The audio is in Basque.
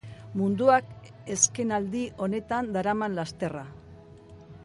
Munduak azkenaldi honetan daraman lasterra.